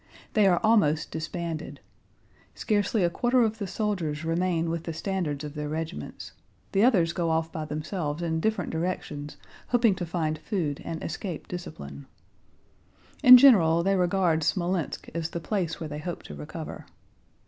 They are almost disbanded. Scarcely a quarter of the soldiers remain with the standards of their regiments, the others go off by themselves in different directions hoping to find food and escape discipline. In general they regard Smolénsk as the place where they hope to recover.